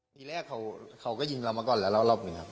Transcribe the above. ทีแรกเขาก็ยิงเรามาก่อนแล้วแล้วรอบหนึ่งครับ